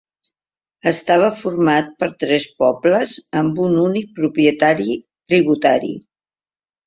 Estava format per tres pobles amb un únic propietari tributari.